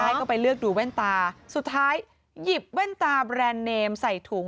ใช่ก็ไปเลือกดูแว่นตาสุดท้ายหยิบแว่นตาแบรนด์เนมใส่ถุง